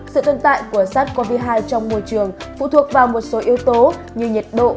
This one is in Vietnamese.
sự tồn tại của sars cov hai trong môi trường phụ thuộc vào một số yếu tố như nhiệt độ